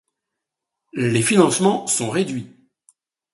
Les financements sont réduits.